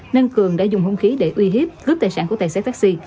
nên cường đã dùng hung khí để uy hiếp cướp tài sản của tài xế taxi